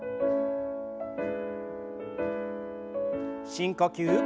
深呼吸。